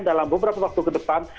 dalam beberapa waktu ke depan